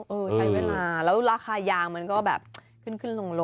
ใช้เวลาแล้วราคายางมันก็แบบขึ้นขึ้นลง